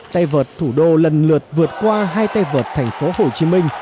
tay vợt thủ đô lần lượt vượt qua hai tay vợt thành phố hồ chí minh